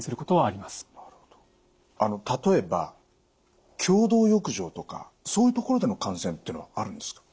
あの例えば共同浴場とかそういう所での感染ってのはあるんですか？